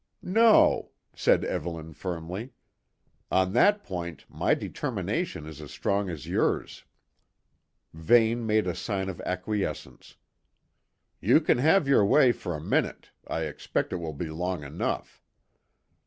"No," said Evelyn firmly. "On that point my determination is as strong as yours." Vane made a sign of acquiescence. "You can have your way for a minute; I expect it will be long enough."